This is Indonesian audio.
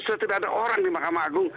sudah tidak ada orang di mahkamah agung